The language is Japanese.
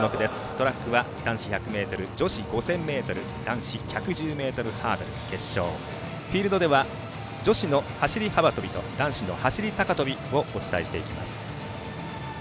トラックは男子１００ｍ女子５０００ｍ男子１１０ｍハードル決勝フィールドでは女子の走り幅跳びと男子の走り高跳びをお伝えしていきます。